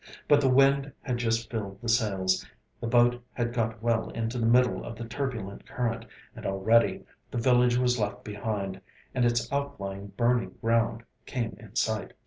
But the wind had just filled the sails, the boat had got well into the middle of the turbulent current, and already the village was left behind, and its outlying burning ground came in sight.